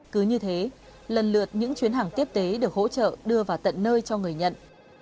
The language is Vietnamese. cứ như thế lần lượt những chuyến hàng tiếp tế được hỗ trợ đưa vào tận nơi cho người nhận